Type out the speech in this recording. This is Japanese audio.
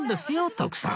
徳さん